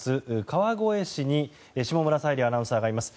川越市に下村彩里アナウンサーがいます。